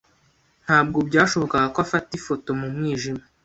Ntabwo byashobokaga ko afata ifoto mu mwijima.